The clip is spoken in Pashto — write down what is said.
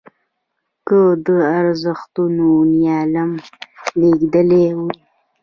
که د ارزښتونو نیلام لګېدلی وي.